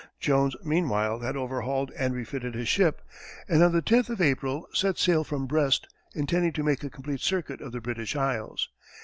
Jones, meanwhile, had overhauled and refitted his ship, and on the tenth of April, set sail from Brest, intending to make a complete circuit of the British Isles.